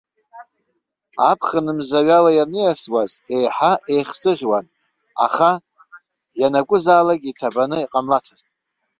Аԥхын, мзаҩала ианиасуаз, еиҳа еихсыӷьуан, аха ианакәызаалак иҭабаны иҟамлацызт.